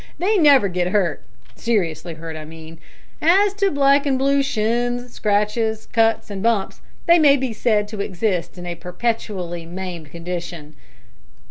They never get hurt seriously hurt, I mean. As to black and blue shins, scratches, cuts, and bumps, they may be said to exist in a perpetually maimed condition."